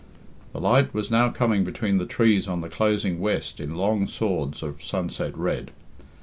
The light was now coming between the trees on the closing west in long swords of sunset red.